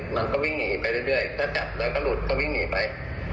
มันก็วิ่งหนีไปเรื่อยถ้าจับแล้วก็หลุดก็วิ่งหนีไป